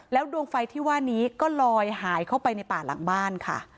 ดวงไฟที่ว่านี้ก็ลอยหายเข้าไปในป่าหลังบ้านค่ะ